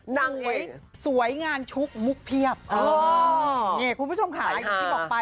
นางเอกสวยงานทุกมุกเพียป